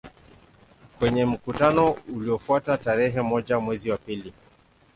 Kwenye mkutano uliofuata tarehe moja mwezi wa pili